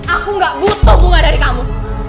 aku gak butuh bunga dari kamu